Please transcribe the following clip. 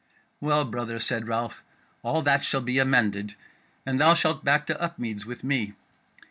"Well, brother," said Ralph, "all that shall be amended, and thou shalt back to Upmeads with me.